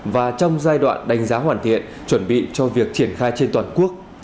và trong giai đoạn đánh giá hoàn thiện chuẩn bị cho việc triển khai trên toàn quốc